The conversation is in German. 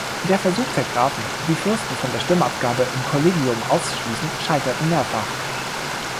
Der Versuch der Grafen die Fürsten von der Stimmabgabe im Kollegium auszuschließen scheiterten mehrfach.